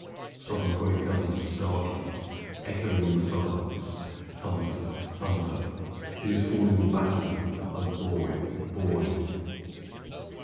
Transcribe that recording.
Sudden great guns startle, echoing on the silence. Thunder. Thunder. HE HAS FALLEN IN BATTLE. (O Boy! Boy!)